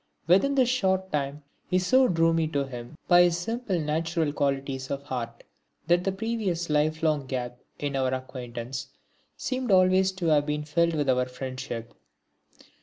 Within this short time he so drew me to him by his simple natural qualities of heart, that the previous life long gap in our acquaintance seemed always to have been filled with our friendship.